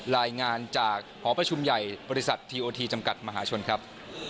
รายงานจากหอประชุมใหญ่บริษัททีโอทีจำกัดมหาชนครับ